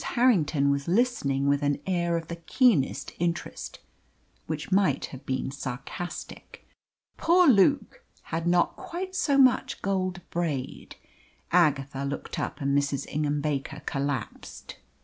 Harrington was listening with an air of the keenest interest, which might have been sarcastic. "Poor Luke had not quite so much gold braid " Agatha looked up, and Mrs. Ingham Baker collapsed.